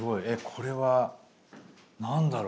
これは何だろう？